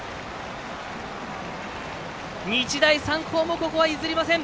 日大三高も、ここは譲りません。